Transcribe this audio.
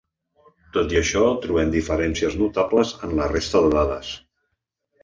Tot i això, trobem diferències notables en la resta de dades.